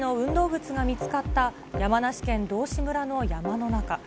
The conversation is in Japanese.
靴が見つかった、山梨県道志村の山の中。